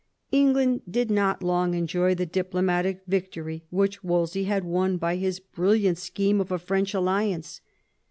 England did not long enjoy the diplomatic victory which Wolsey had won by his brilliant scheme of a French alliance.